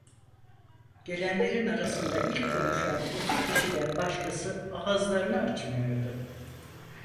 Gelenlerin arasında ilk konuşan iki kişiden başkası ağızlarını açmıyordu.